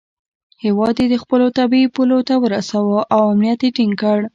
هیواد یې خپلو طبیعي پولو ته ورساوه او امنیت یې ټینګ کړ.